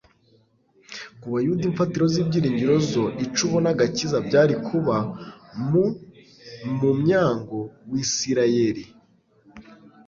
Ku bayuda, imfatiro z'ibyiringiro zo Icubona agakiza byari kuba mu mmyango w'Isiraeli.